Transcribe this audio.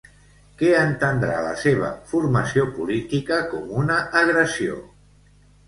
Què entendrà la seva formació política com una agressió?